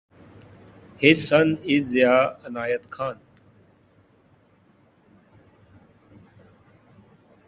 His son is Zia Inayat Khan.